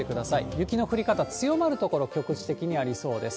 雪の降り方強まる所、局地的にありそうです。